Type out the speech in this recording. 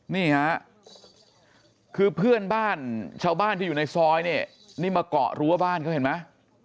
นี่ครับคือเพื่อนบ้านเช่าบ้านที่อยู่ในซอยที่มาเกาะรั้วบ้านก็เห็นไป